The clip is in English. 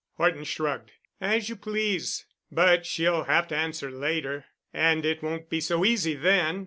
Horton shrugged. "As you please. But she'll have to answer later, and it won't be so easy then.